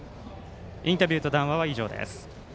インタビューと談話は以上です。